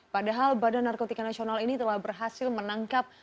padahal badan narkotika nasional ini telah berhasil menangkap